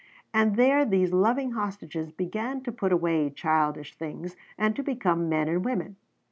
And there these loving hostages began to put away childish things, and to become men and women.